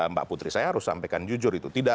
mbak putri saya harus sampaikan jujur itu